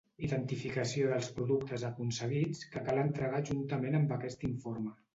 Identificació dels productes aconseguits que cal entregar juntament amb aquest informe.